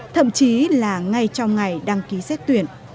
thậm chí là ngay trong ngày đăng ký xét tuyển